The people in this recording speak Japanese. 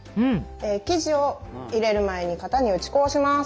生地を入れる前に型に打ち粉をします。